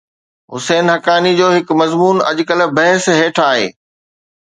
حسين حقاني جو هڪ مضمون اڄڪلهه بحث هيٺ آهي.